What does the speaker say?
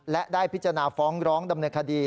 และได้พิจารณาฟ้องร้องดำเนินคดี